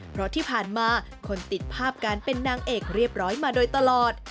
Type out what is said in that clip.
เพราะที่ผ่านมาคนติดภาพการเป็นนางเอกเรียบร้อยมาโดยตลอด